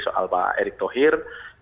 soal pak erik thohir